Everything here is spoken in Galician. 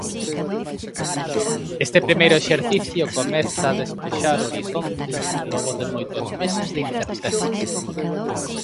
Este primeiro exercicio comeza a despexar o horizonte logo de moitos meses de incertezas.